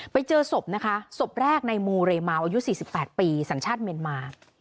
ไปเจอศพนะคะศพแรกในมูเรมาวอายุ๔๘ปีสัญชาติเมียนมา